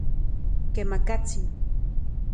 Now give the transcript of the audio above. Kemakatsin.